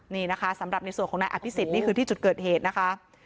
นี่นะคะสำหรับในส่วนของนายอภิษฎนี่คือที่จุดเกิดเหตุนะคะ